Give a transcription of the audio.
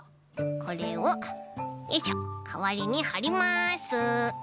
これをよいしょかわりにはります。